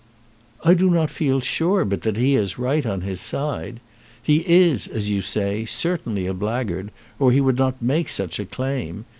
"I do not feel sure but that he has right on his side. He is, as you say, certainly a blackguard, or he would not make such a claim.